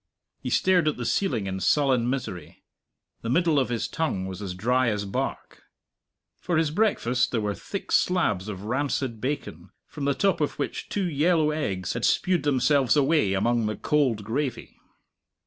He stared at the ceiling in sullen misery. The middle of his tongue was as dry as bark. For his breakfast there were thick slabs of rancid bacon, from the top of which two yellow eggs had spewed themselves away among the cold gravy.